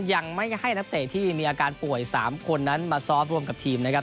ยังไม่ให้นักเตะที่มีอาการป่วย๓คนนั้นมาซ้อมรวมกับทีมนะครับ